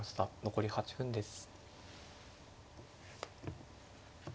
残り８分です。